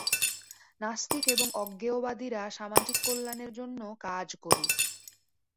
নাস্তিক এবং অজ্ঞেয়বাদীরা সামাজিক কল্যাণের জন্য কাজ করুক।